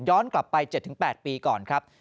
กลับไป๗๘ปีก่อนครับ